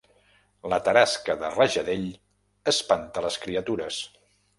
La tarasca de Rajadell espanta les criatures